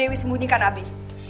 nisa udah disembunyikan abi